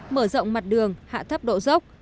mở rộng mặt đường hạ thấp độ dốc